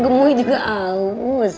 gemuh juga aus